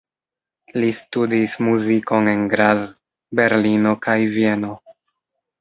Li studis muzikon en Graz, Berlino kaj Vieno.